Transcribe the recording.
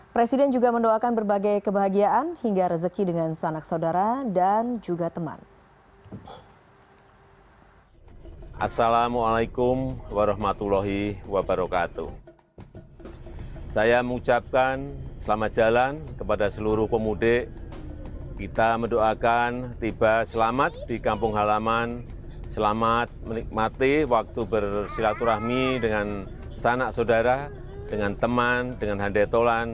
presiden juga mendoakan berbagai kebahagiaan hingga rezeki dengan sanak saudara dan juga teman